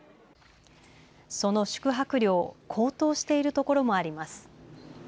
その宿泊料高騰している所もあります。